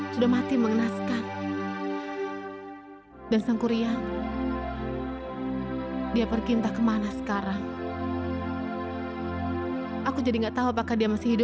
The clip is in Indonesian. jadi kapan kamu kenalkan aku sama orang tua kamu